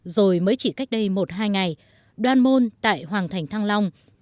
rồi mới chỉ cách đây một hai ngày đoan môn tại hoàng thành thăng long